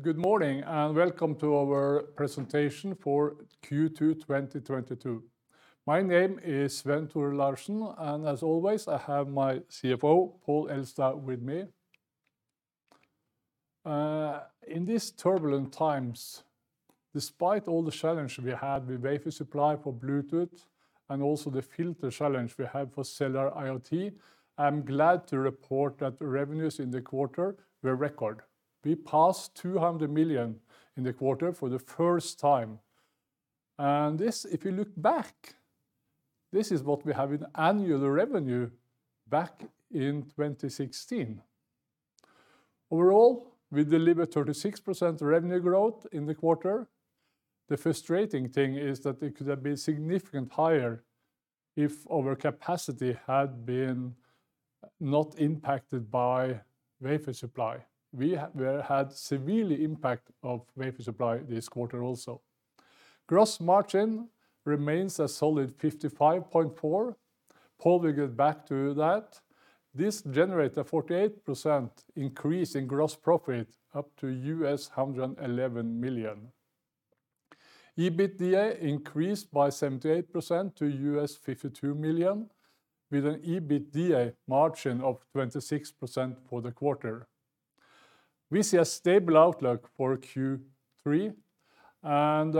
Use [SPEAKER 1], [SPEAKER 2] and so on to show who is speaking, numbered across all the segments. [SPEAKER 1] Good morning, and welcome to our presentation for Q2 2022. My name is Svenn-Tore Larsen, and as always, I have my CFO, Pål Elstad, with me. In these turbulent times, despite all the challenge we had with wafer supply for Bluetooth and also the filter challenge we had for cellular IoT, I'm glad to report that revenues in the quarter were record. We passed 200 million in the quarter for the first time. This, if you look back, this is what we have in annual revenue back in 2016. Overall, we delivered 36% revenue growth in the quarter. The frustrating thing is that it could have been significantly higher if our capacity had been not impacted by wafer supply. We had severe impact of wafer supply this quarter also. Gross margin remains a solid 55.4%. Pål will get back to that. This generate a 48% increase in gross profit, up to $111 million. EBITDA increased by 78% to $52 million, with an EBITDA margin of 26% for the quarter. We see a stable outlook for Q3, and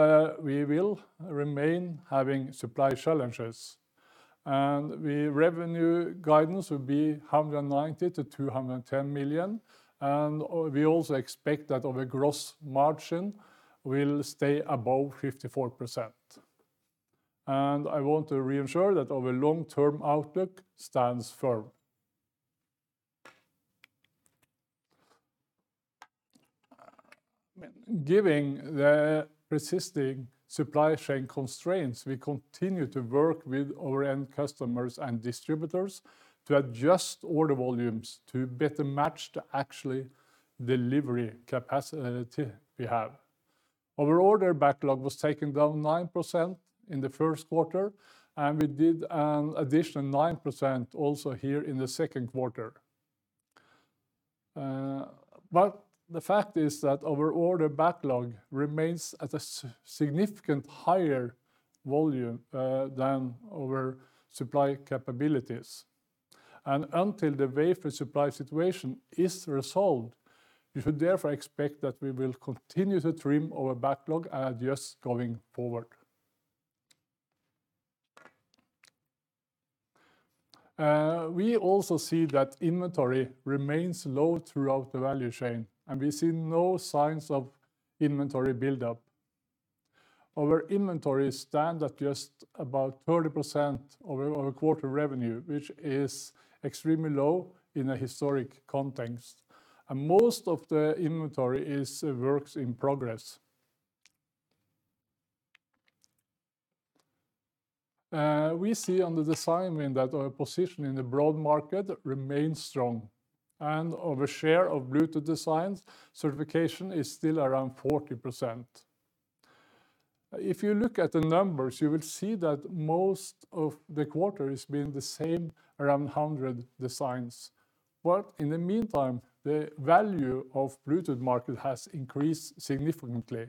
[SPEAKER 1] we will remain having supply challenges. The revenue guidance will be $190 million-$210 million, and we also expect that our gross margin will stay above 54%. I want to reassure that our long-term outlook stands firm. Given the persisting supply chain constraints, we continue to work with our end customers and distributors to adjust order volumes to better match the actual delivery capacity we have. Our order backlog was taken down 9% in the first quarter, and we did an additional 9% also here in the second quarter. The fact is that our order backlog remains at a significant higher volume than our supply capabilities. Until the wafer supply situation is resolved, you should therefore expect that we will continue to trim our backlog and adjust going forward. We also see that inventory remains low throughout the value chain, and we see no signs of inventory buildup. Our inventory stands at just about 30% of our quarter revenue, which is extremely low in a historic context. Most of the inventory is works in progress. We see on the design win that our position in the broad market remains strong, and our share of Bluetooth designs certification is still around 40%. If you look at the numbers, you will see that most of the quarter has been the same, around 100 designs. In the meantime, the value of the Bluetooth market has increased significantly.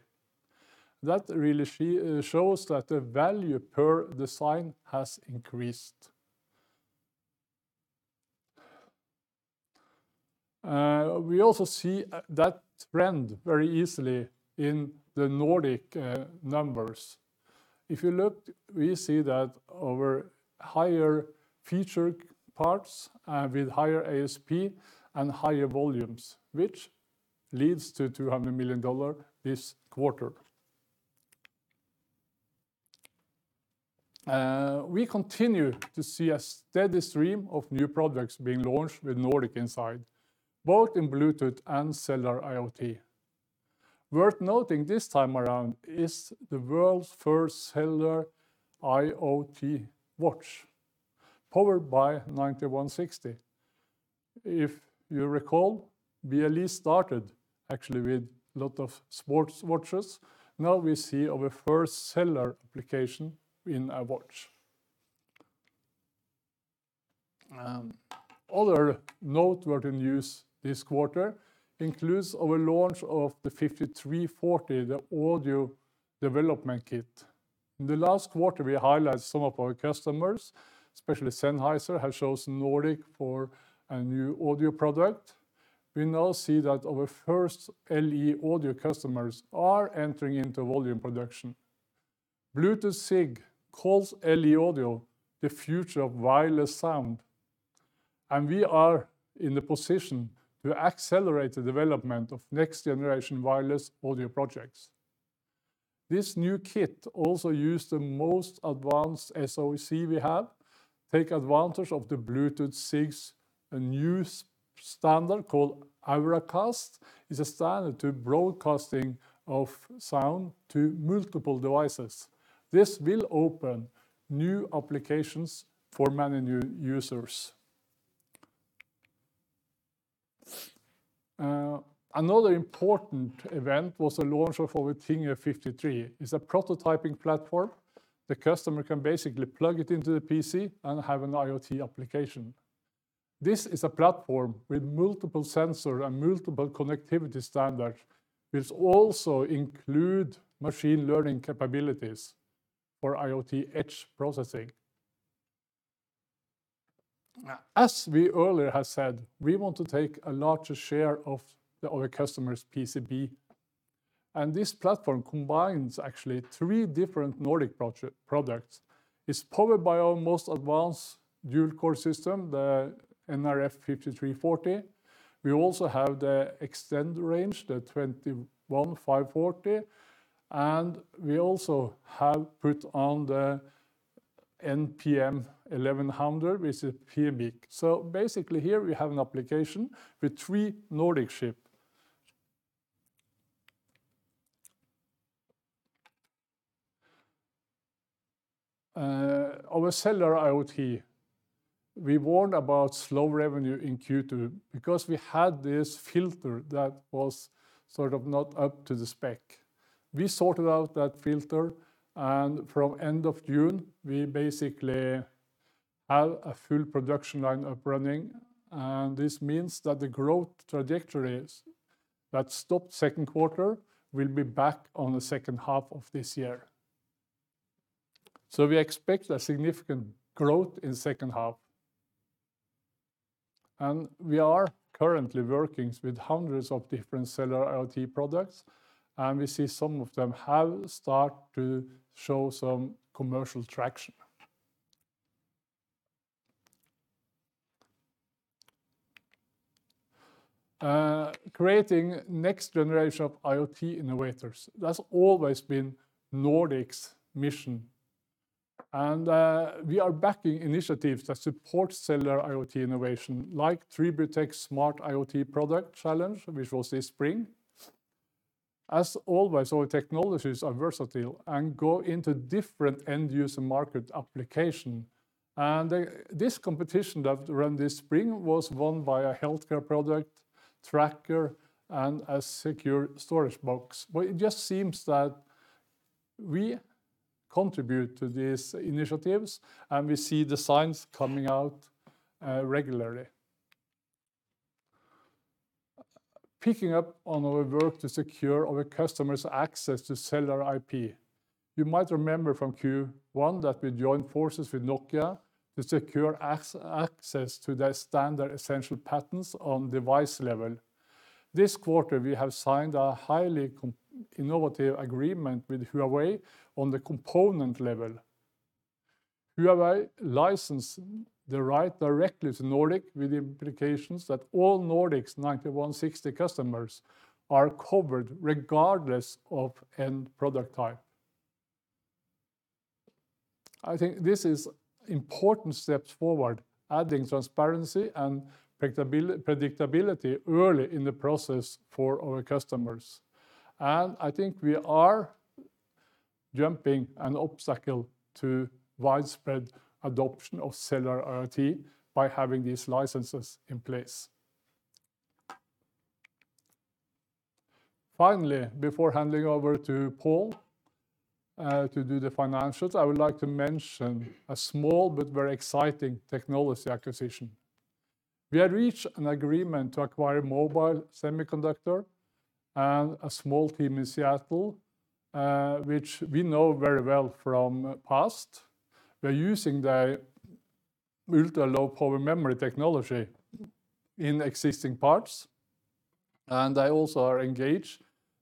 [SPEAKER 1] That really shows that the value per design has increased. We also see that trend very easily in the Nordic numbers. If you look, we see that our higher featured parts with higher ASP and higher volumes, which leads to $200 million this quarter. We continue to see a steady stream of new products being launched with Nordic inside, both in Bluetooth and cellular IoT. Worth noting this time around is the world's first cellular IoT watch, powered by 9160. If you recall, BLE started actually with a lot of sports watches. Now we see our first cellular application in a watch. Other noteworthy news this quarter includes our launch of the 5340, the audio development kit. In the last quarter, we highlighted some of our customers, especially Sennheiser, have chosen Nordic for a new audio product. We now see that our first LE Audio customers are entering into volume production. Bluetooth SIG calls LE Audio the future of wireless sound, and we are in the position to accelerate the development of next-generation wireless audio projects. This new kit also use the most advanced SOC we have, take advantage of the Bluetooth SIG's new standard called Auracast. It's a standard to broadcasting of sound to multiple devices. This will open new applications for many new users. Another important event was the launch of our Thingy:53. It's a prototyping platform. The customer can basically plug it into the PC and have an IoT application. This is a platform with multiple sensors and multiple connectivity standards, which also include machine learning capabilities for IoT edge processing. As we earlier have said, we want to take a larger share of our customers PCB, and this platform combines actually three different Nordic products. It's powered by our most advanced dual-core system, the nRF5340. We also have the extended range, the 21540, and we also have put on the nPM1100, which is a PMIC. Basically here we have an application with three Nordic chips. Our cellular IoT, we warned about slow revenue in Q2 because we had this filter that was sort of not up to the spec. We sorted out that filter, and from end of June, we basically have a full production line up running, and this means that the growth trajectories that stopped second quarter will be back on the second half of this year. We expect a significant growth in second half. We are currently working with hundreds of different cellular IoT products, and we see some of them have started to show some commercial traction. Creating next generation of IoT innovators, that's always been Nordic's mission, and we are backing initiatives that support cellular IoT innovation like TribuTech Smart IoT Product Challenge, which was this spring. As always, our technologies are versatile and go into different end-user market applications, and this competition that ran this spring was won by a healthcare product, tracker, and a secure storage box. Well, it just seems that we contribute to these initiatives, and we see designs coming out regularly. Picking up on our work to secure our customers' access to cellular IP. You might remember from Q1 that we joined forces with Nokia to secure access to their standard essential patents on device level. This quarter, we have signed a highly innovative agreement with Huawei on the component level. Huawei licensed the right directly to Nordic with the implications that all Nordic's 9160 customers are covered regardless of end product type. I think this is important steps forward, adding transparency and predictability early in the process for our customers, and I think we are jumping an obstacle to widespread adoption of cellular IoT by having these licenses in place. Finally, before handing over to Pål to do the financials, I would like to mention a small but very exciting technology acquisition. We have reached an agreement to acquire Mobile Semiconductor and a small team in Seattle, which we know very well from past. We're using their ultra-low power memory technology in existing parts, and they also are engaged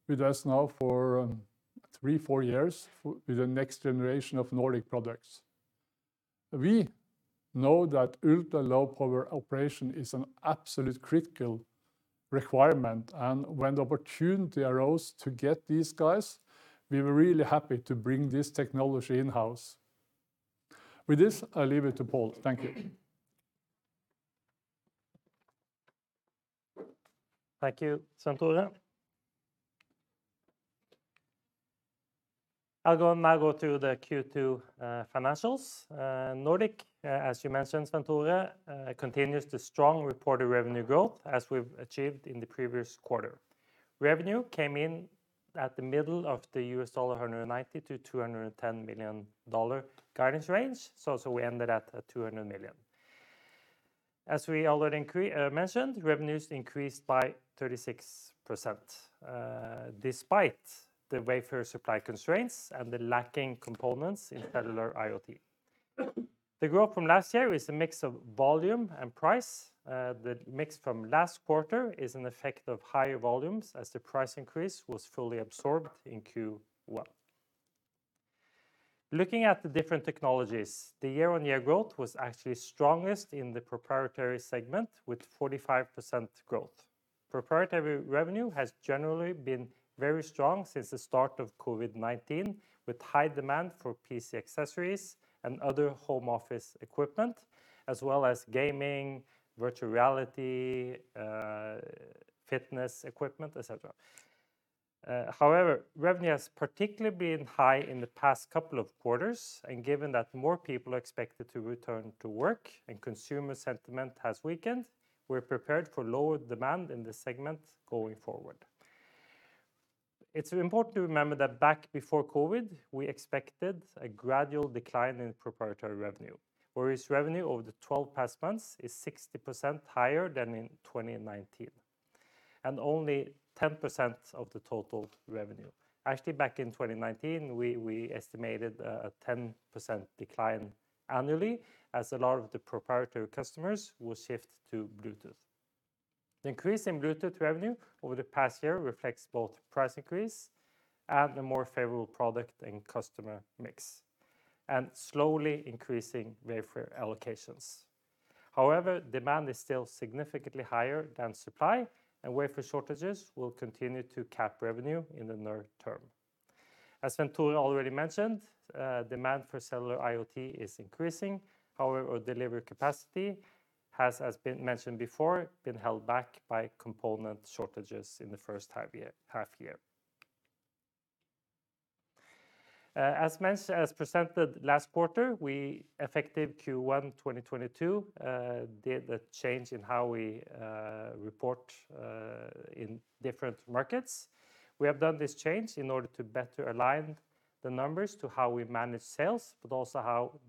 [SPEAKER 1] with us now for three, four years with the next generation of Nordic products. We know that ultra-low power operation is an absolute critical requirement, and when the opportunity arose to get these guys, we were really happy to bring this technology in-house. With this, I leave it to Pål. Thank you.
[SPEAKER 2] Thank you, Svenn-Tore Larsen. I'll now go through the Q2 financials. Nordic Semiconductor, as you mentioned, Svenn-Tore Larsen, continues the strong reported revenue growth as we've achieved in the previous quarter. Revenue came in at the middle of the $190 million-$210 million guidance range, so we ended at $200 million. As we already mentioned, revenues increased by 36% despite the wafer supply constraints and the lacking components in cellular IoT. The growth from last year is a mix of volume and price. The mix from last quarter is an effect of higher volumes as the price increase was fully absorbed in Q1. Looking at the different technologies, the year-on-year growth was actually strongest in the proprietary segment with 45% growth. Proprietary revenue has generally been very strong since the start of COVID-19, with high demand for PC accessories and other home office equipment, as well as gaming, virtual reality, fitness equipment, et cetera. However, revenue has particularly been high in the past couple of quarters, and given that more people are expected to return to work and consumer sentiment has weakened, we're prepared for lower demand in this segment going forward. It's important to remember that back before COVID, we expected a gradual decline in proprietary revenue, whereas revenue over the past twelve months is 60% higher than in 2019, and only 10% of the total revenue. Actually, back in 2019, we estimated 10% decline annually as a lot of the proprietary customers will shift to Bluetooth. The increase in Bluetooth revenue over the past year reflects both price increase and a more favorable product and customer mix, and slowly increasing wafer allocations. However, demand is still significantly higher than supply and wafer shortages will continue to cap revenue in the near term. As Svenn-Tore Larsen already mentioned, demand for cellular IoT is increasing. However, our delivery capacity has, as mentioned before, been held back by component shortages in the first half year. As presented last quarter, we, effective Q1 2022, did a change in how we report in different markets. We have done this change in order to better align the numbers to how we manage sales, but also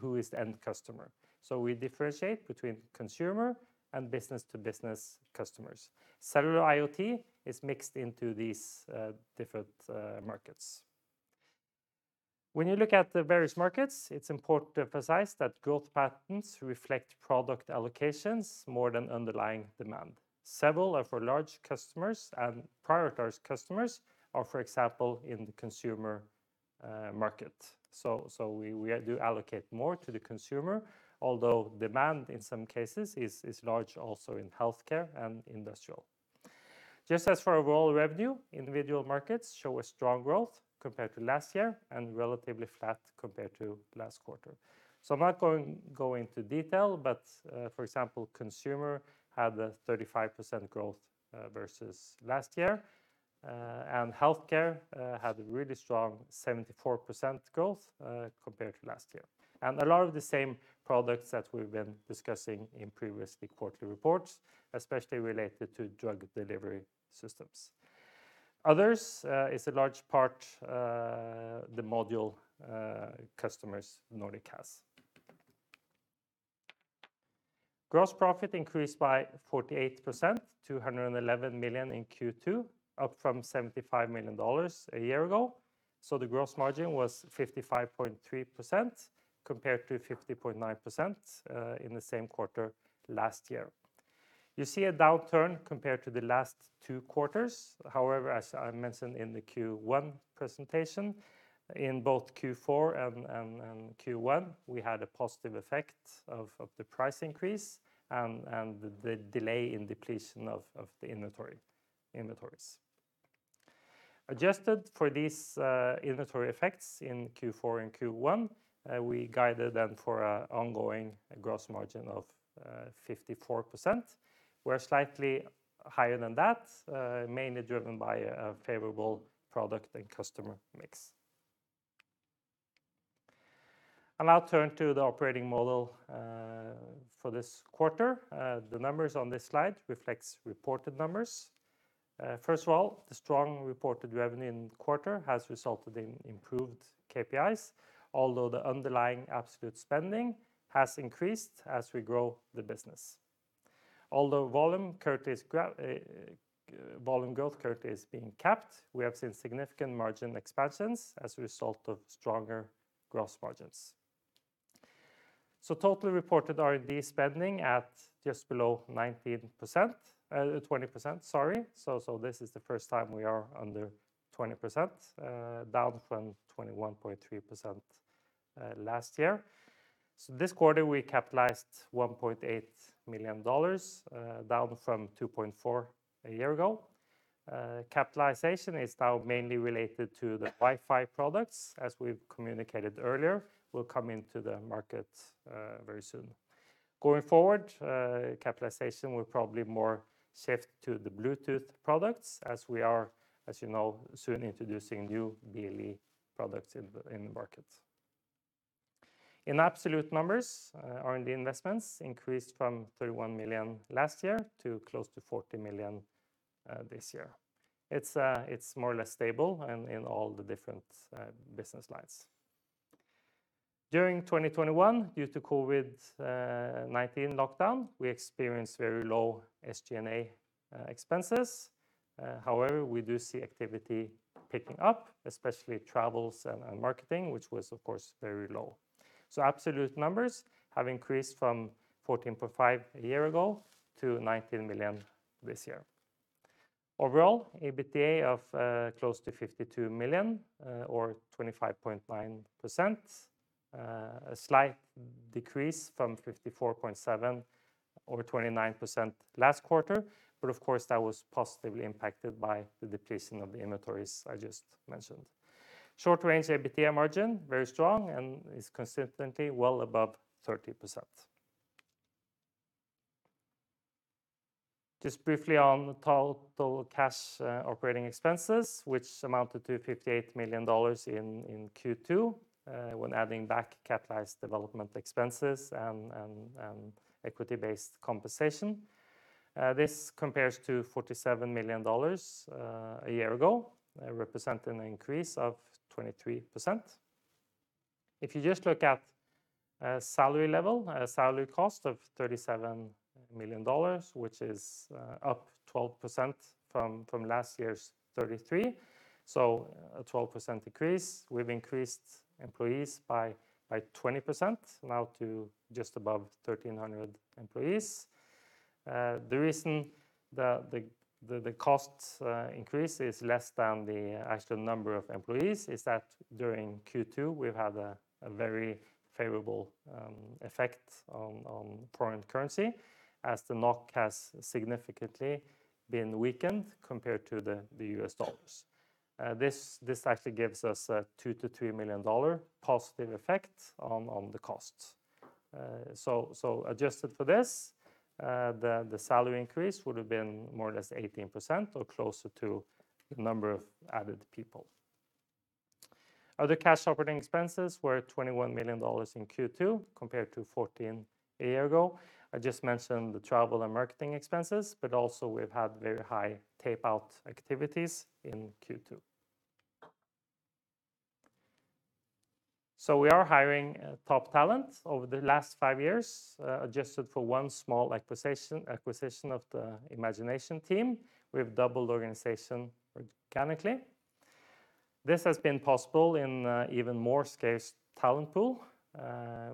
[SPEAKER 2] who is the end customer. We differentiate between consumer and business-to-business customers. Cellular IoT is mixed into these different markets. When you look at the various markets, it's important to emphasize that growth patterns reflect product allocations more than underlying demand. Several are for large customers, and prioritized customers are, for example, in the consumer market. So we do allocate more to the consumer, although demand in some cases is large also in healthcare and industrial. Just as for overall revenue, individual markets show a strong growth compared to last year and relatively flat compared to last quarter. I'm not going into detail, but for example, consumer had a 35% growth versus last year. And healthcare had a really strong 74% growth compared to last year. A lot of the same products that we've been discussing in previous quarterly reports, especially related to drug delivery systems. Others is a large part of the module customers Nordic has. Gross profit increased by 48%, $211 million in Q2, up from $75 million a year ago. The gross margin was 55.3% compared to 50.9% in the same quarter last year. You see a downturn compared to the last two quarters. However, as I mentioned in the Q1 presentation, in both Q4 and Q1, we had a positive effect of the price increase and the delay in depletion of the inventories. Adjusted for these inventory effects in Q4 and Q1, we guided then for ongoing gross margin of 54%. We're slightly higher than that, mainly driven by a favorable product and customer mix. I'll turn to the operating model for this quarter. The numbers on this slide reflects reported numbers. First of all, the strong reported revenue in the quarter has resulted in improved KPIs, although the underlying absolute spending has increased as we grow the business. Although volume growth currently is being capped, we have seen significant margin expansions as a result of stronger gross margins. Total reported R&D spending at just below 20%, sorry. This is the first time we are under 20%, down from 21.3% last year. This quarter, we capitalized $1.8 million, down from $2.4 million a year ago. Capitalization is now mainly related to the Wi-Fi products, as we've communicated earlier, will come into the market very soon. Going forward, CapEx will probably more shift to the Bluetooth products as we are, as you know, soon introducing new BLE products in the market. In absolute numbers, R&D investments increased from 31 million last year to close to 40 million this year. It's more or less stable in all the different business lines. During 2021, due to COVID-19 lockdown, we experienced very low SG&A expenses. However, we do see activity picking up, especially travels and marketing, which was, of course, very low. Absolute numbers have increased from 14.5 million a year ago to 19 million this year. Overall, EBITDA of close to 52 million or 25.9%. A slight decrease from 54.7 million or 29% last quarter. Of course, that was positively impacted by the depletion of the inventories I just mentioned. Short range EBITDA margin, very strong and is consistently well above 30%. Just briefly on total cash, operating expenses, which amounted to $58 million in Q2, when adding back capitalized development expenses and equity-based compensation. This compares to $47 million a year ago, representing an increase of 23%. If you just look at salary level, salary cost of $37 million, which is up 12% from last year's 33, so a 12% increase. We've increased employees by 20% now to just above 1,300 employees. The reason the cost increase is less than the actual number of employees is that during Q2, we've had a very favorable effect on foreign currency as the NOK has significantly been weakened compared to the U.S. dollars. This actually gives us a $2 million-$3 million positive effect on the costs. Adjusted for this, the salary increase would have been more or less 18% or closer to the number of added people. Other cash operating expenses were $21 million in Q2 compared to $14 million a year ago. I just mentioned the travel and marketing expenses, but also we've had very high tape-out activities in Q2. We are hiring top talent over the last five years. Adjusted for one small acquisition of Imagination Technologies, we've doubled the organization organically. This has been possible in an even more scarce talent pool.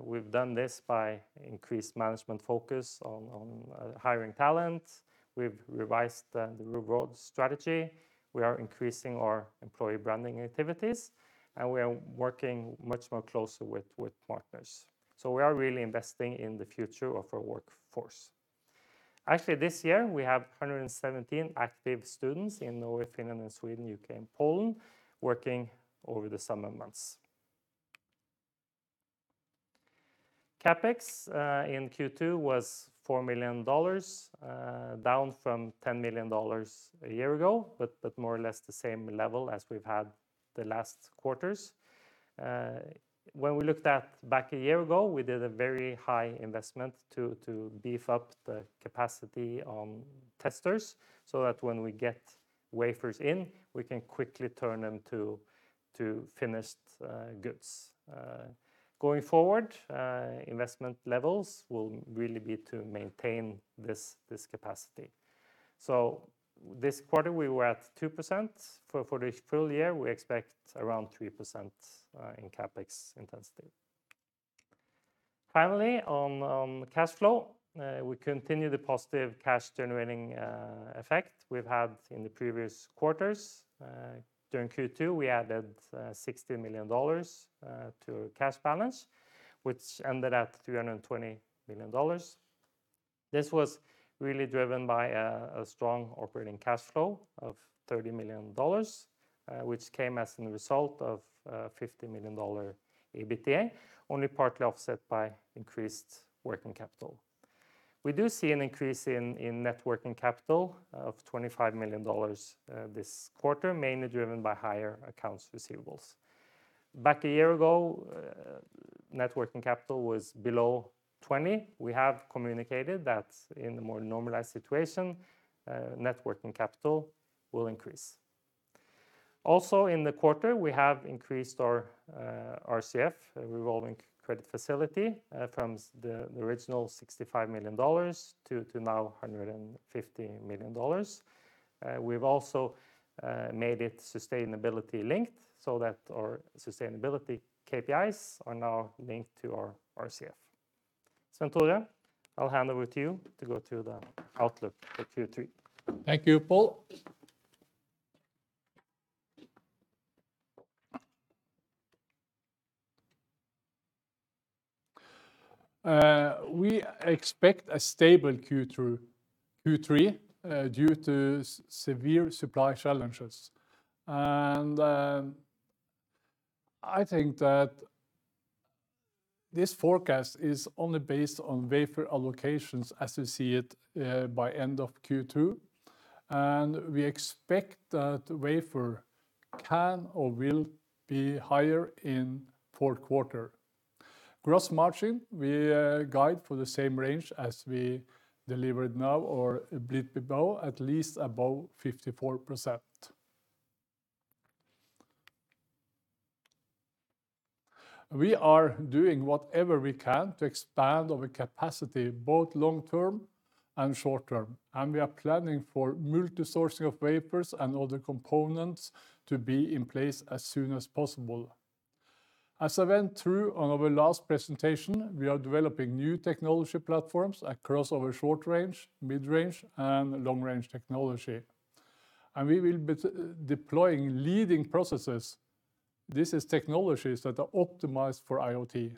[SPEAKER 2] We've done this by increased management focus on hiring talent. We've revised the reward strategy. We are increasing our employee branding activities, and we are working much more closely with partners. We are really investing in the future of our workforce. Actually, this year, we have 117 active students in Norway, Finland, and Sweden, U.K., and Poland working over the summer months. CapEx in Q2 was $4 million, down from $10 million a year ago, but more or less the same level as we've had the last quarters. When we looked back a year ago, we did a very high investment to beef up the capacity on testers, so that when we get wafers in, we can quickly turn them to finished goods. Going forward, investment levels will really be to maintain this capacity. This quarter, we were at 2%. For the full year, we expect around 3% in CapEx intensity. Finally, on cash flow, we continue the positive cash-generating effect we've had in the previous quarters. During Q2, we added $60 million to our cash balance, which ended at $320 million. This was really driven by a strong operating cash flow of $30 million, which came as a result of a $50 million EBITDA, only partly offset by increased working capital. We do see an increase in net working capital of $25 million, this quarter, mainly driven by higher accounts receivables. Back a year ago, net working capital was below 20. We have communicated that in a more normalized situation, net working capital will increase. Also, in the quarter, we have increased our RCF, revolving credit facility, from the original $65 million to now $150 million. We've also made it sustainability linked, so that our sustainability KPIs are now linked to our RCF. Svenn-Tore Larsen, I'll hand over to you to go through the outlook for Q3.
[SPEAKER 1] Thank you, Pål. We expect a stable Q3 due to severe supply challenges. I think that this forecast is only based on wafer allocations as you see it by end of Q2. We expect that wafer can or will be higher in fourth quarter. Gross margin, we guide for the same range as we delivered now or a bit above, at least above 54%. We are doing whatever we can to expand our capacity, both long-term and short-term, and we are planning for multi-sourcing of wafers and other components to be in place as soon as possible. As I went through on our last presentation, we are developing new technology platforms across our short-range, mid-range, and long-range technology, and we will be deploying leading processes. These are technologies that are optimized for IoT.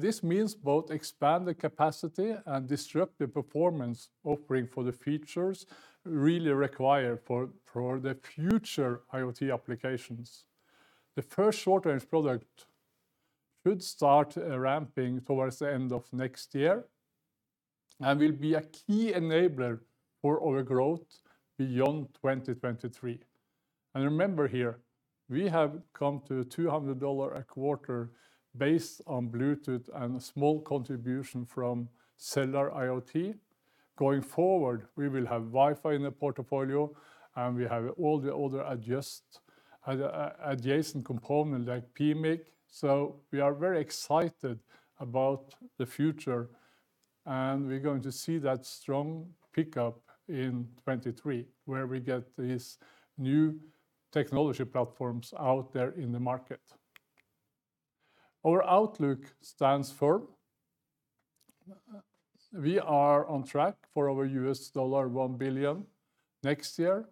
[SPEAKER 1] This means both expand the capacity and disrupt the performance offering for the features really required for the future IoT applications. The first short-range product should start ramping towards the end of next year and will be a key enabler for our growth beyond 2023. Remember here, we have come to $200 a quarter based on Bluetooth and a small contribution from cellular IoT. Going forward, we will have Wi-Fi in the portfolio, and we have all the other adjacent component like PMIC. We are very excited about the future, and we're going to see that strong pickup in 2023, where we get these new technology platforms out there in the market. Our outlook stands firm. We are on track for our $1 billion next year,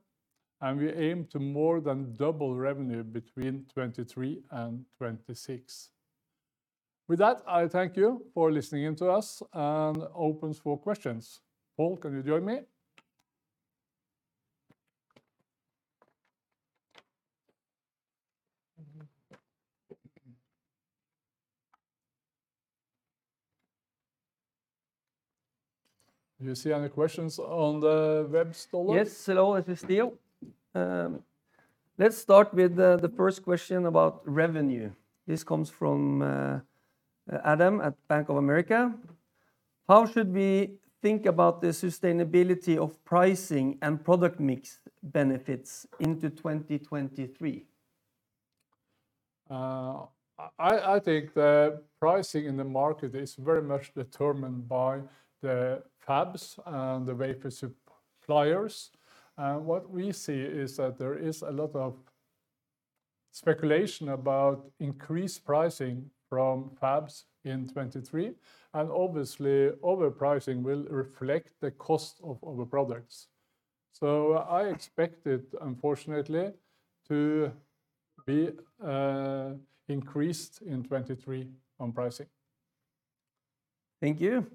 [SPEAKER 1] and we aim to more than double revenue between 2023 and 2026. With that, I thank you for listening in to us, and opens for questions. Pål, can you join me? Do you see any questions on the webcast?
[SPEAKER 3] Yes. Hello, it is Theo. Let's start with the first question about revenue. This comes from Adam at Bank of America. How should we think about the sustainability of pricing and product mix benefits into 2023?
[SPEAKER 1] I think the pricing in the market is very much determined by the fabs and the wafer suppliers. What we see is that there is a lot of speculation about increased pricing from fabs in 2023, and obviously our pricing will reflect the cost of our products. I expect it, unfortunately, to be increased in 2023 on pricing.
[SPEAKER 3] Thank you.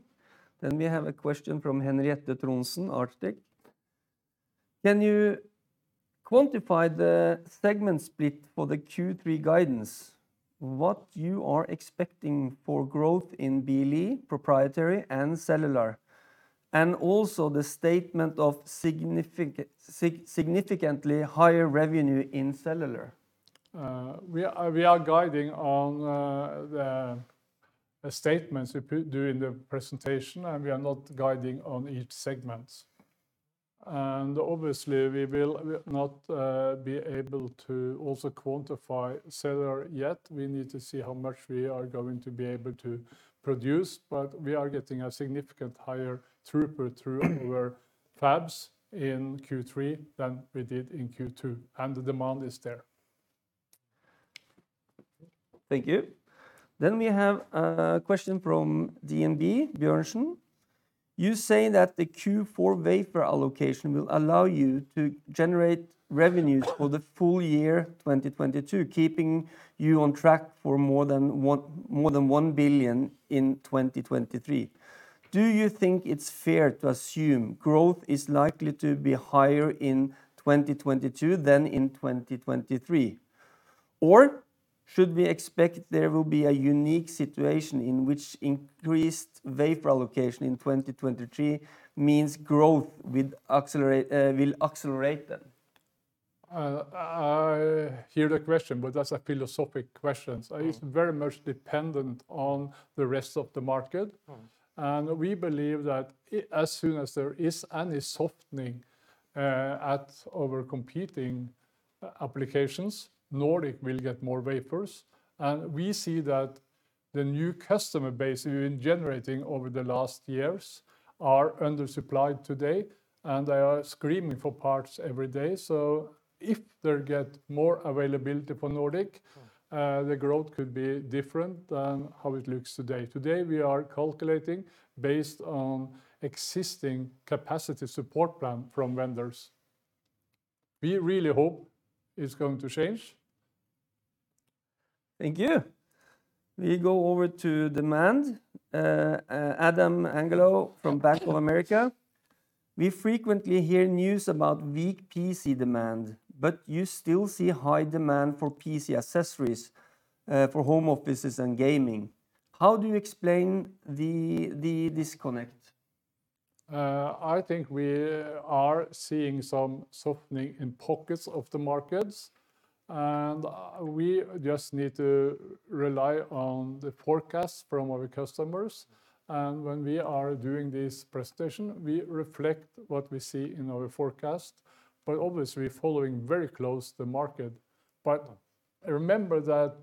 [SPEAKER 3] We have a question from Henriette Trondsen, Arctic Securities. Can you quantify the segment split for the Q3 guidance, what you are expecting for growth in BLE, proprietary and cellular, and also the statement of significantly higher revenue in cellular?
[SPEAKER 1] We are guiding on the statements we put during the presentation and we are not guiding on each segments. Obviously we will not be able to also quantify cellular yet. We need to see how much we are going to be able to produce. We are getting a significant higher throughput through our fabs in Q3 than we did in Q2 and the demand is there.
[SPEAKER 3] Thank you. We have a question from DNB, Bjørnsen. You say that the Q4 wafer allocation will allow you to generate revenues for the full year 2022, keeping you on track for more than 1 billion in 2023. Do you think it's fair to assume growth is likely to be higher in 2022 than in 2023? Or should we expect there will be a unique situation in which increased wafer allocation in 2023 means growth will accelerate then?
[SPEAKER 1] I hear the question, but that's a philosophical question. It's very much dependent on the rest of the market. We believe that as soon as there is any softening at our competing applications, Nordic will get more wafers. We see that the new customer base we've been generating over the last years are undersupplied today, and they are screaming for parts every day. If they get more availability for Nordic. The growth could be different than how it looks today. Today, we are calculating based on existing capacity support plan from vendors. We really hope it's going to change.
[SPEAKER 3] Thank you. We go over to demand. Adam Angelov from Bank of America. We frequently hear news about weak PC demand, but you still see high demand for PC accessories, for home offices and gaming. How do you explain the disconnect?
[SPEAKER 1] I think we are seeing some softening in pockets of the markets, and we just need to rely on the forecast from our customers. When we are doing this presentation, we reflect what we see in our forecast, but obviously following very close the market. Remember that,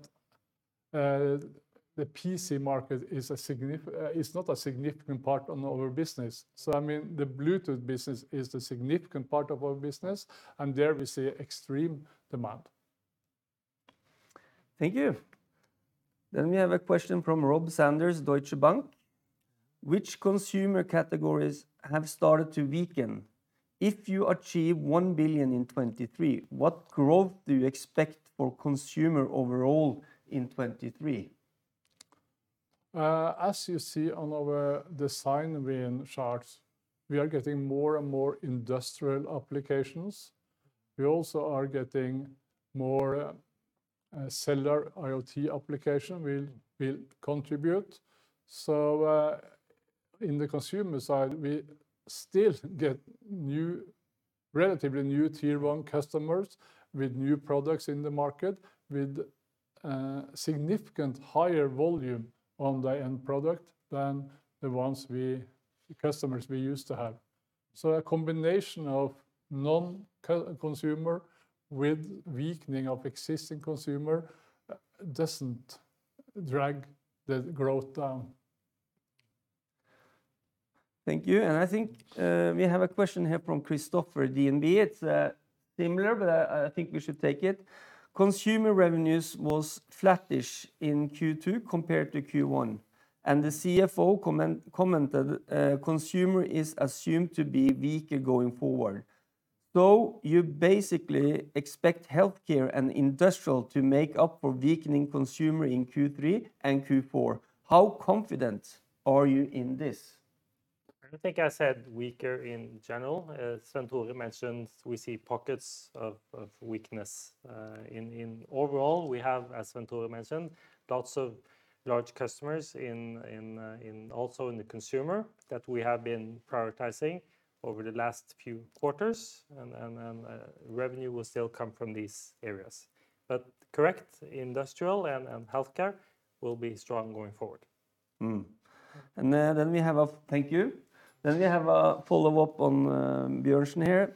[SPEAKER 1] the PC market is not a significant part of our business. I mean, the Bluetooth business is the significant part of our business, and there we see extreme demand.
[SPEAKER 3] Thank you. We have a question from Robert Sanders, Deutsche Bank. Which consumer categories have started to weaken? If you achieve 1 billion in 2023, what growth do you expect for consumer overall in 2023?
[SPEAKER 1] As you see on our design win charts, we are getting more and more industrial applications. We also are getting more cellular IoT applications will contribute. In the consumer side, we still get new, relatively new tier one customers with new products in the market, with significantly higher volume on the end product than the ones we, the customers we used to have. A combination of non-consumer with weakening of existing consumer doesn't drag the growth down.
[SPEAKER 3] Thank you. I think we have a question here from Christoff at DNB. It's similar, but I think we should take it. Consumer revenues was flattish in Q2 compared to Q1, and the CFO commented consumer is assumed to be weaker going forward. You basically expect healthcare and industrial to make up for weakening consumer in Q3 and Q4. How confident are you in this?
[SPEAKER 2] I don't think I said weaker in general. As Svenn-Tore Larsen mentioned, we see pockets of weakness. Overall, we have, as Svenn-Tore Larsen mentioned, lots of large customers also in the consumer that we have been prioritizing over the last few quarters, and revenue will still come from these areas. Correct, industrial and healthcare will be strong going forward.
[SPEAKER 3] We have a follow-up on Bjørnsen here.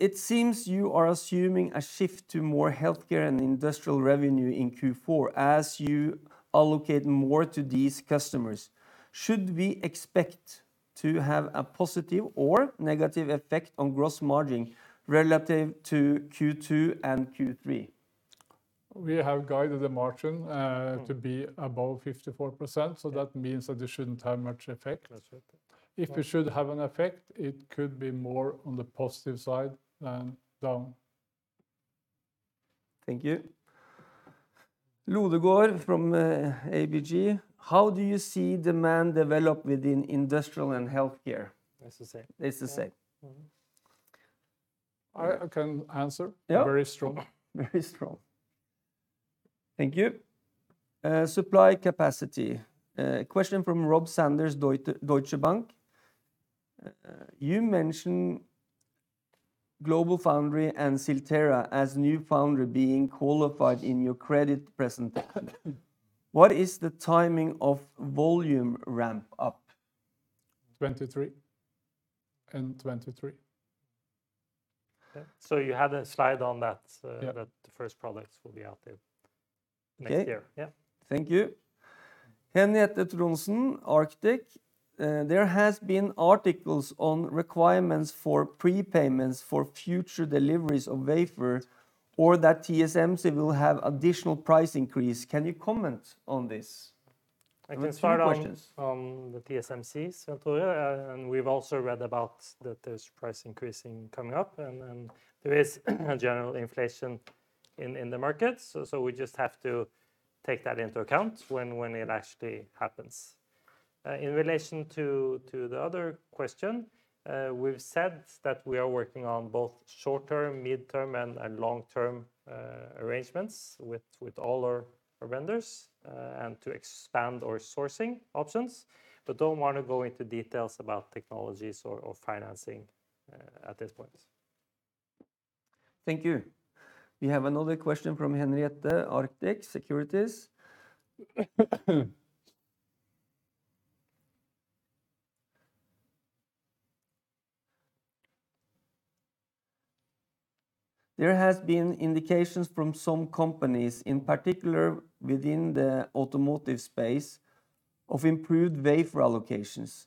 [SPEAKER 3] It seems you are assuming a shift to more healthcare and industrial revenue in Q4 as you allocate more to these customers. Should we expect to have a positive or negative effect on gross margin relative to Q2 and Q3?
[SPEAKER 1] We have guided the margin to be above 54%, so that means that it shouldn't have much effect.
[SPEAKER 2] That's it.
[SPEAKER 1] If it should have an effect, it could be more on the positive side than down.
[SPEAKER 3] Thank you. Lodgaard from ABG. How do you see demand develop within industrial and healthcare?
[SPEAKER 2] It's the same.
[SPEAKER 3] It's the same.
[SPEAKER 1] I can answer.
[SPEAKER 3] Yeah.
[SPEAKER 1] Very strong.
[SPEAKER 3] Very strong. Thank you. Supply capacity. Question from Rob Sanders, Deutsche Bank. You mention GlobalFoundries and Silterra as new foundries being qualified in your credit presentation. What is the timing of volume ramp up?
[SPEAKER 1] 2023 end 2023.
[SPEAKER 2] You had a slide on that. That the first products will be out there next year.
[SPEAKER 3] Okay.
[SPEAKER 2] Yeah.
[SPEAKER 3] Thank you. Henriette Trondsen, Arctic Securities. There has been articles on requirements for prepayments for future deliveries of wafer or that TSMC will have additional price increase. Can you comment on this? Two questions.
[SPEAKER 2] I can start on the TSMC, Svenn-Tore Larsen, and we've also read about that there's price increases coming up, and there is a general inflation in the market. We just have to take that into account when it actually happens. In relation to the other question, we've said that we are working on both short-term, mid-term, and long-term arrangements with all our vendors, and to expand our sourcing options, but don't wanna go into details about technologies or financing at this point.
[SPEAKER 3] Thank you. We have another question from Henriette Trondsen, Arctic Securities. There has been indications from some companies, in particular within the automotive space, of improved wafer allocations.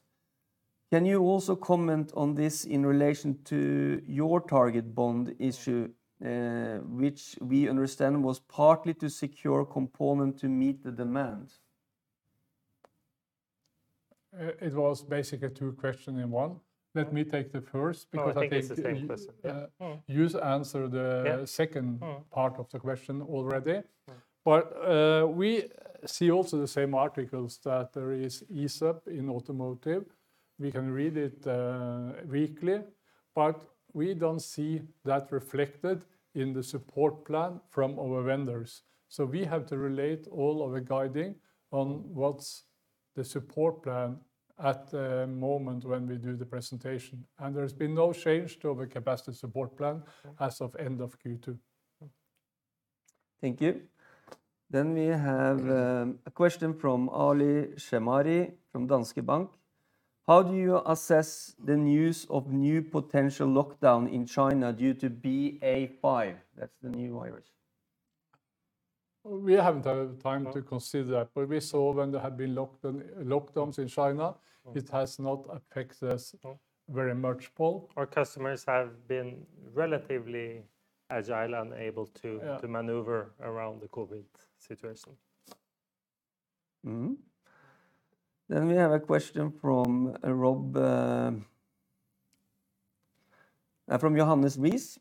[SPEAKER 3] Can you also comment on this in relation to your target bond issue, which we understand was partly to secure component to meet the demand?
[SPEAKER 1] It was basically two questions in one. Let me take the first because I think.
[SPEAKER 2] No, I take the second. Yeah.
[SPEAKER 1] You answered the second part of the question already. We see also the same articles that there is easing up in automotive. We can read it weekly, but we don't see that reflected in the support plan from our vendors. We have to relate all of the guidance on what's the support plan at the moment when we do the presentation, and there's been no change to the capacity support plan as of end of Q2.
[SPEAKER 3] Thank you. We have a question from Ali Shemari from Danske Bank. How do you assess the news of new potential lockdown in China due to BA.5? That's the new virus.
[SPEAKER 1] We haven't had time to consider. What we saw when there had been lockdown, lockdowns in China, it has not affected us very much. Pål?
[SPEAKER 2] Our customers have been relatively agile and able to, to maneuver around the COVID situation.
[SPEAKER 3] We have a question from Rob, from Johannes Reese.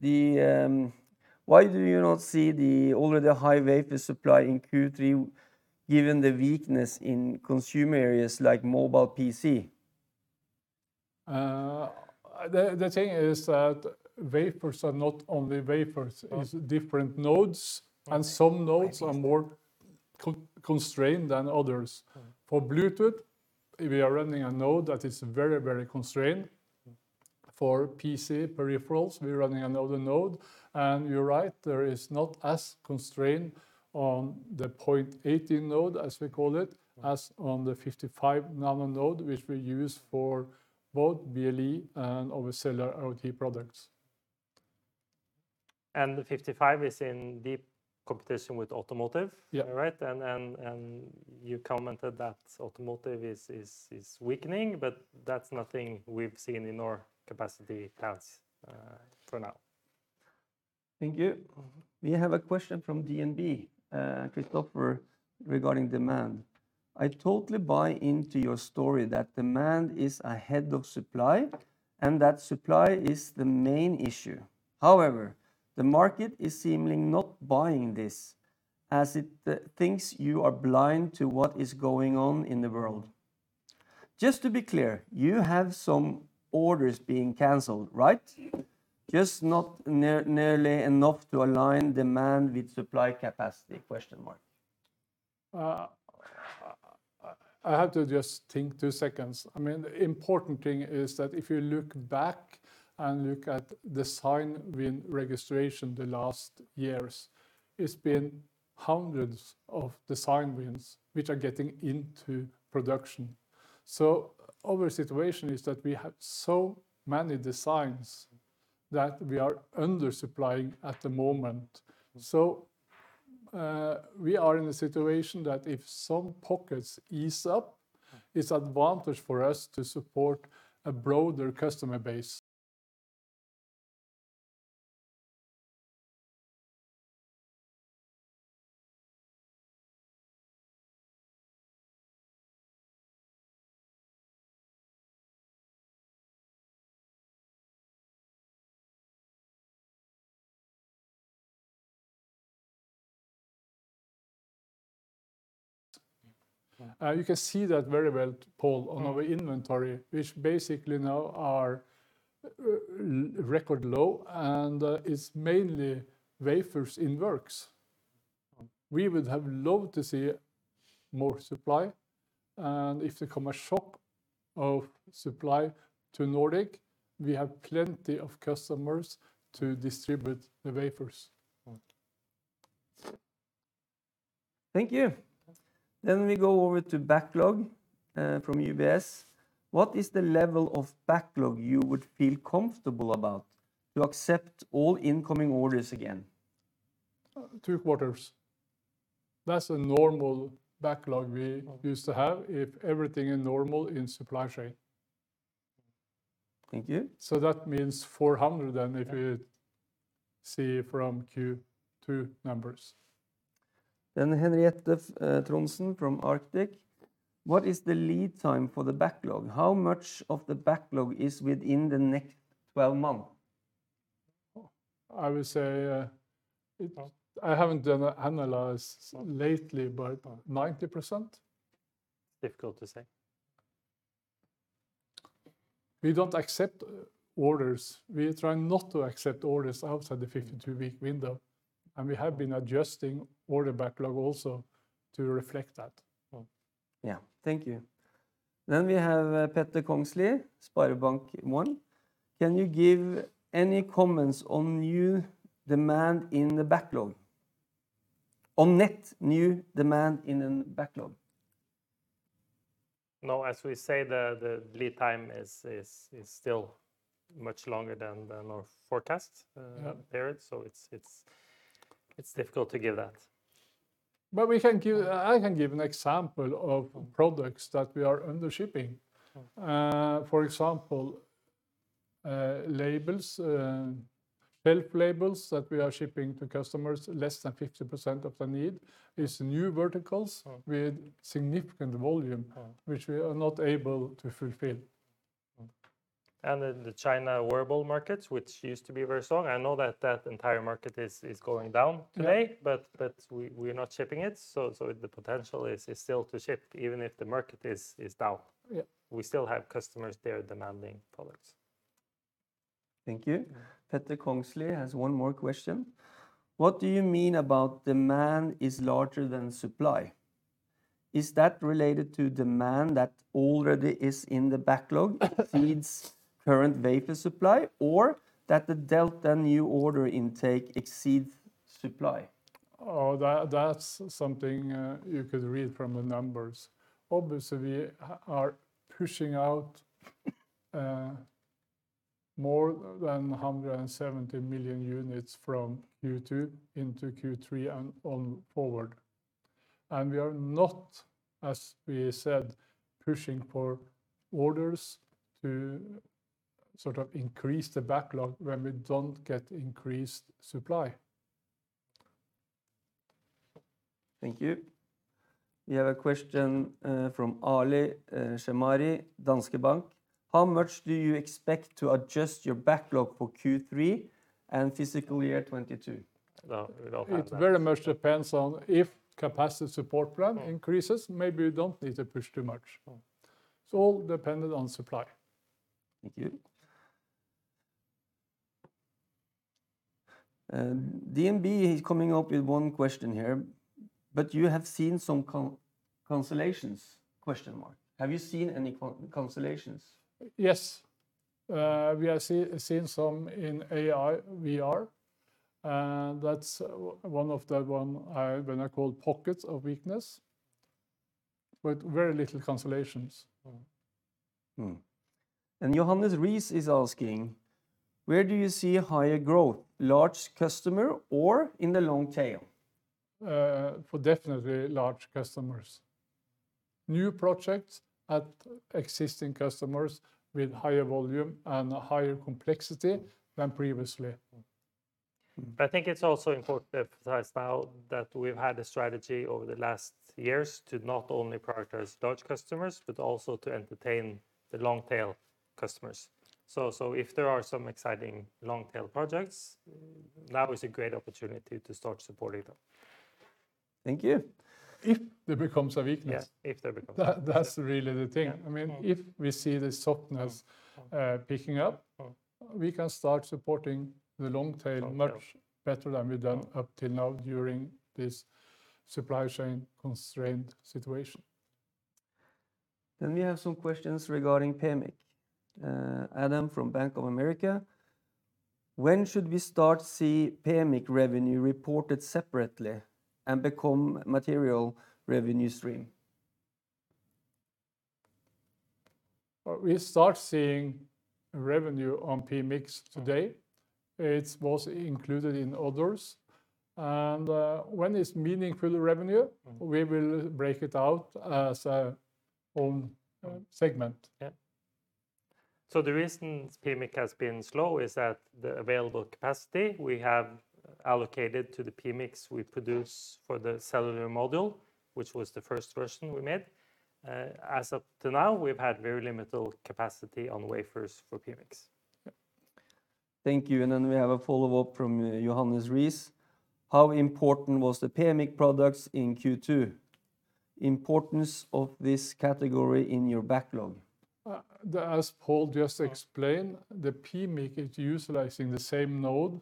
[SPEAKER 3] Why do you not see the already high wafer supply in Q3 given the weakness in consumer areas like mobile PC?
[SPEAKER 1] The thing is that wafers are not only wafers. It's different nodes. Some nodes are more constrained than others. For Bluetooth, we are running a node that is very, very constrained. For PC peripherals, we're running another node, and you're right, there is not as constrained on the 180 nm node, as we call it as on the 55 nm node, which we use for both BLE and our cellular IoT products.
[SPEAKER 2] The 55 is in deep competition with automotive.
[SPEAKER 1] Yeah.
[SPEAKER 2] Right? You commented that automotive is weakening, but that's nothing we've seen in our capacity counts for now.
[SPEAKER 3] Thank you. We have a question from DNB, Christoffer Bjørnsen, regarding demand. "I totally buy into your story that demand is ahead of supply and that supply is the main issue. However, the market is seemingly not buying this, as it thinks you are blind to what is going on in the world. Just to be clear, you have some orders being canceled, right? Just not nearly enough to align demand with supply capacity?
[SPEAKER 1] I have to just think two seconds. I mean, the important thing is that if you look back and look at design win registration the last years, it's been hundreds of design wins which are getting into production. Our situation is that we have so many designs that we are under-supplying at the moment. We are in a situation that if some pockets ease up. It's advantage for us to support a broader customer base. You can see that very well, Pål, on our inventory which basically now at record low and is mainly wafers in process. We would have loved to see more supply, and if there comes a shipment of supply to Nordic, we have plenty of customers to distribute the wafers.
[SPEAKER 3] Thank you. We go over to backlog from UBS. "What is the level of backlog you would feel comfortable about to accept all incoming orders again?
[SPEAKER 1] Two quarters. That's a normal backlog, used to have if everything is normal in supply chain.
[SPEAKER 3] Thank you.
[SPEAKER 1] That means 400 then. If you see from Q2 numbers.
[SPEAKER 3] Henriette Trondsen from Arctic. "What is the lead time for the backlog? How much of the backlog is within the next 12 months?
[SPEAKER 1] Oh, I would say. I haven't done an analysis lately, but 90%.
[SPEAKER 2] Difficult to say.
[SPEAKER 1] We don't accept orders. We try not to accept orders outside the 52-week window, and we have been adjusting order backlog also to reflect that.
[SPEAKER 3] Yeah. Thank you. We have Petter Kongslie, SpareBank 1. "Can you give any comments on new demand in the backlog? On net new demand in the backlog?
[SPEAKER 2] No, as we say, the lead time is still much longer than our forecast period. It's difficult to give that.
[SPEAKER 1] I can give an example of products that we are under-shipping. For example, labels, health labels that we are shipping to customers, less than 50% of the need. It's new verticals with significant volume which we are not able to fulfill.
[SPEAKER 2] The Chinese wearable markets, which used to be very strong, I know that entire market is going down today.
[SPEAKER 1] Yeah
[SPEAKER 2] We're not shipping it, so the potential is still to ship even if the market is down. We still have customers there demanding products.
[SPEAKER 3] Thank you. Petter Kongslie has one more question. "What do you mean about demand is larger than supply? Is that related to demand that already is in the backlog exceeds current wafer supply or that the delta new order intake exceeds supply?
[SPEAKER 1] That's something you could read from the numbers. Obviously, we are pushing out more than 170 million units from Q2 into Q3 and on forward, and we are not, as we said, pushing for orders to sort of increase the backlog when we don't get increased supply.
[SPEAKER 3] Thank you. We have a question from Ali Shemari, Danske Bank. "How much do you expect to adjust your backlog for Q3 and fiscal year 2022?
[SPEAKER 2] No, it all happens.
[SPEAKER 1] It very much depends on if capacity support plan increases, maybe we don't need to push too much. All dependent on supply.
[SPEAKER 3] Thank you. DNB is coming up with one question here, but you have seen some cancellations? Have you seen any cancellations?
[SPEAKER 1] Yes. We are seeing some in AR, VR, and that's one of the ones I call pockets of weakness. Very little cancellations.
[SPEAKER 3] Johannes Reese is asking, "Where do you see higher growth, large customer or in the long tail?
[SPEAKER 1] For definitely large customers. New projects at existing customers with higher volume and higher complexity than previously.
[SPEAKER 2] I think it's also important to emphasize now that we've had a strategy over the last years to not only prioritize large customers, but also to entertain the long tail customers. If there are some exciting long tail projects, now is a great opportunity to start supporting them.
[SPEAKER 3] Thank you.
[SPEAKER 1] If there becomes a weakness.
[SPEAKER 2] Yeah, if there becomes a.
[SPEAKER 1] That, that's really the thing. I mean, if we see the softness picking up. We can start supporting the long tail much better than we've done up till now during this supply chain constraint situation.
[SPEAKER 3] We have some questions regarding PMIC. Adam Angelov from Bank of America, "When should we start to see PMIC revenue reported separately and become a material revenue stream?
[SPEAKER 1] We start seeing revenue on PMICs today. It's mostly included in others, and when it's meaningful revenue. We will break it out as our own segment.
[SPEAKER 2] The reason PMIC has been slow is that the available capacity we have allocated to the PMICs we produce for the cellular module, which was the first version we made. Up to now, we've had very limited capacity on wafers for PMICs.
[SPEAKER 3] Yeah. Thank you. We have a follow-up from Johannes Rees, "How important was the PMIC products in Q2? Importance of this category in your backlog.
[SPEAKER 1] As Pål just explained, the PMIC is utilizing the same node,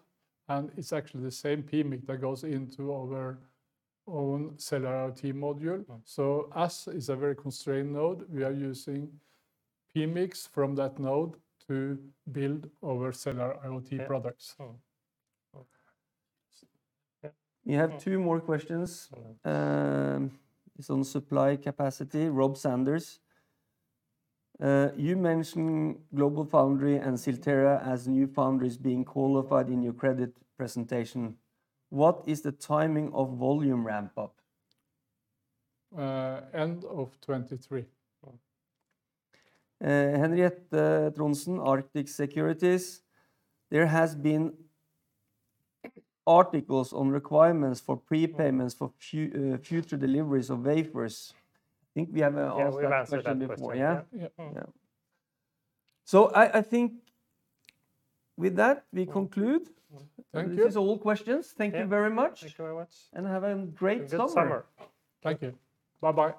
[SPEAKER 1] and it's actually the same PMIC that goes into our own cellular IoT module. As it's a very constrained node, we are using PMICs from that node to build our cellular IoT products.
[SPEAKER 3] We have two more questions. It's on supply capacity. Robert Sanders, "You mentioned GlobalFoundries and Silterra as new foundries being qualified in your credit presentation. What is the timing of volume ramp-up?
[SPEAKER 1] End of 2023.
[SPEAKER 3] Henriette Trondsen, Arctic Securities: "There has been articles on requirements for prepayments for future deliveries of wafers." I think we have answered that question before.
[SPEAKER 2] Yeah, we have answered that question.
[SPEAKER 3] I think with that, we conclude.
[SPEAKER 1] Thank you.
[SPEAKER 3] If these are all questions, thank you very much.
[SPEAKER 2] Yeah. Thank you very much.
[SPEAKER 3] Have a great summer.
[SPEAKER 2] Good summer.
[SPEAKER 1] Thank you. Bye-bye.